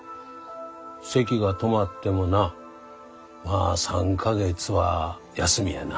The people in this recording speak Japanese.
せきが止まってもなまあ３か月は休みやな。